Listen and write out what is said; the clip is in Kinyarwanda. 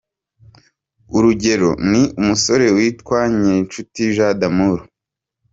Urugero ni umusore witwa Ngirinshuti Jean D’Amour.